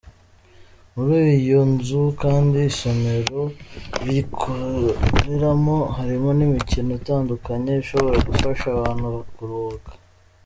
Muri iyo nzu kandi isomero rikoreramo harimo n’imikino itandukanye ishobora gufasha abantu kuruhuka.